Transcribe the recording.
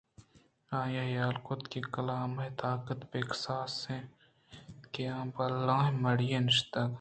آئی ءَحیال کُت کہ کلام ءِطاقت بے کساس اِنت آ بلاہیں ماڑی ئےءَ نشتگ